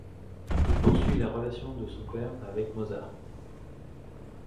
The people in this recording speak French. Il poursuit la relation de son père avec Mozart.